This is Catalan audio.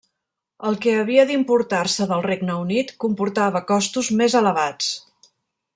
El que havia d'importar-se del Regne Unit comportava costos més elevats.